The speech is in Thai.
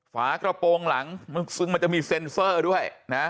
ฝากระโปรงหลังซึ่งมันจะมีเซ็นเซอร์ด้วยนะ